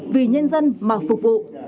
vì nhân dân mà phục vụ